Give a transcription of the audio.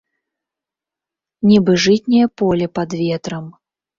Нібы жытняе поле пад ветрам.